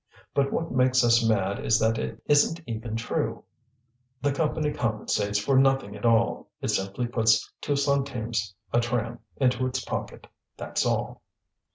But what makes us mad is that it isn't even true; the Company compensates for nothing at all, it simply puts two centimes a tram into its pocket, that's all."